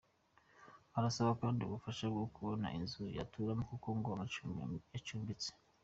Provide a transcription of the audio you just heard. Arasaba kandi ubufasha bwo kubona inzu yaturamo kuko ngo acumbitse.